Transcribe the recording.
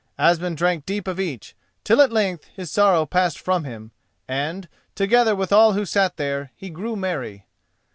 Asmund drank deep of each, till at length his sorrow passed from him, and, together with all who sat there, he grew merry.